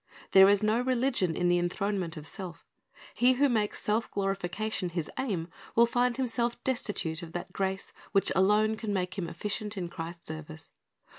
There is no religion in the enthronement of self He who makes self glorification his aim, will find himself destitute of that grace which alone can make him efficient in Christ's service.